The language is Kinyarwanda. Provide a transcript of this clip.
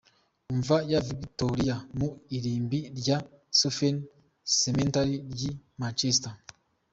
Imva ya Victoria mu irimbi rya Southern Cemetery ry’i Manchester.